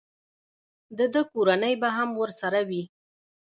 د ده کورنۍ به هم ورسره وي.